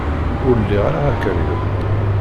Ur liɣ ara akeryun.